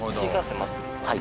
はい。